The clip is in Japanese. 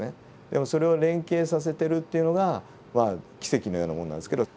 でもそれを連携させてるっていうのが奇跡のようなものなんですけど。